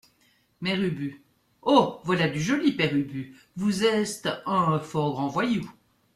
Mère Ubu Oh ! voilà du joli, Père Ubu, vous estes un fort grand voyou.